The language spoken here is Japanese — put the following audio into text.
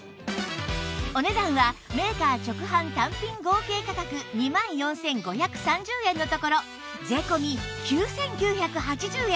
お値段はメーカー直販単品合計価格２万４５３０円のところ税込９９８０円